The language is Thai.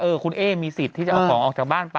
คุณเอ๊มีสิทธิ์ที่จะเอาของออกจากบ้านไป